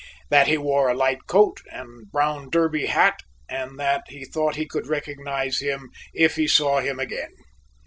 That he wore a light coat and brown derby hat and that he thought he could recognize him if he saw him again.